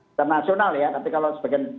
internasional ya tapi kalau sebagian